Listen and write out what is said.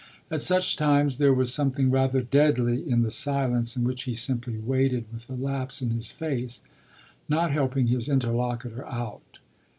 At such times there was something rather deadly in the silence in which he simply waited with a lapse in his face, not helping his interlocutor out.